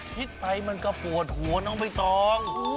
คิดไปมันก็ปวดหัวน้องใบตอง